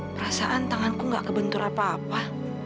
perasaan tanganku gak kebentur apa apa